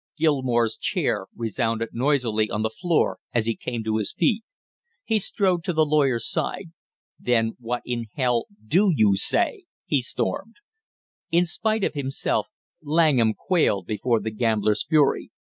Gilmore's chair resounded noisily on the floor as he came to his feet. He strode to the lawyer's side. "Then what in hell do you say?" he stormed. In spite of himself Langham quailed before the gambler's fury.